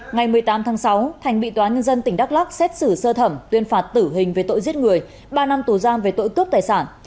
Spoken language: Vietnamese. ngày một mươi tám tháng sáu thành bị tòa nhân dân tỉnh đắk lắc xét xử sơ thẩm tuyên phạt tử hình về tội giết người ba năm tù giam về tội cướp tài sản